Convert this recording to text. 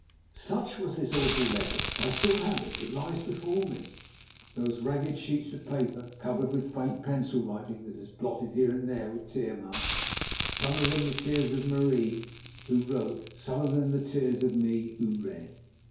Such was this awful letter. I still have it; it lies before me, those ragged sheets of paper covered with faint pencil writing that is blotted here and there with tear marks, some of them the tears of Marie who wrote, some of them the tears of me who read.